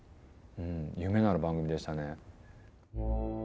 夢のある番組でしたね。